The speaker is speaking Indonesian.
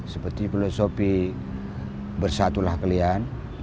seperti filosofi bersatulah kalian